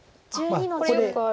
これよくある。